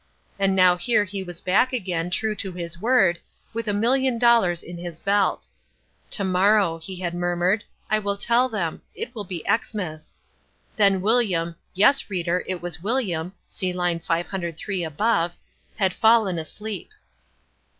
And now here he was back again, true to his word, with a million dollars in his belt. "To morrow," he had murmured, "I will tell them. It will be Xmas." Then William—yes, reader, it was William (see line 503 above) had fallen asleep.